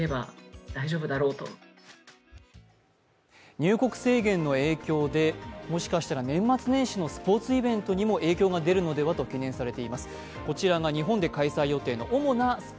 入国制限の影響でもしかしたら年末年始のスポーツイベントにも影響が出るのではと懸念されています。